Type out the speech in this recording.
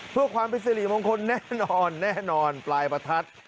เพื่อความพิสิลิมงคลแน่นอนปลายประทัด